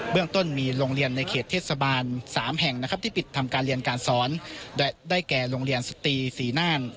เรื่องต้นมีโรงเรียนในเขตเทศบาล๓แห่งนะครับที่ปิดทำการเรียนการสอนได้แก่โรงเรียนสตรีศรีน่าน